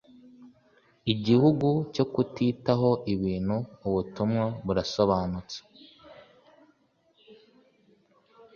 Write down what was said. igihugu cyo kutitaho ibintu, ubutumwa burasobanutse